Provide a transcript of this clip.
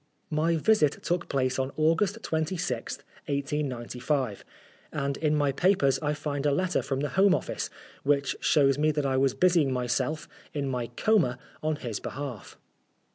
My visit took place on August 26th, 1895, and in my papers I find a letter from the Home Office, which shows me that I was busying myself, in my coma, on his behalf.